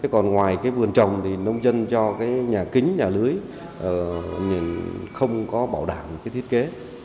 còn ngoài vườn trồng nông dân cho nhà kính nhà lưới không có bảo đảm thiết kế